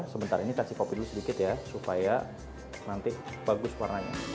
sebentar ini kasih kopi dulu sedikit ya supaya nanti bagus warnanya